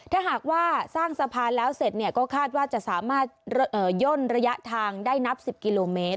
ถ้าหากว่าสร้างสะพานแล้วเสร็จเนี่ยก็คาดว่าจะสามารถย่นระยะทางได้นับ๑๐กิโลเมตร